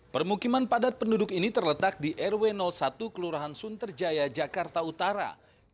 permukiman padat penduduk ini terletak di rw satu kelurahan sunterjaya jakarta utara